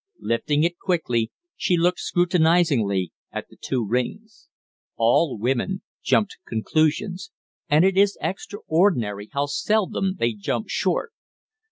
Lifting it quickly, she looked scrutinizingly at the two rings. All women jump to conclusions, and it is extraordinary how seldom they jump short.